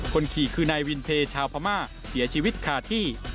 คนขี่คือนายวินเพลชาวพม่าเสียชีวิตคาที่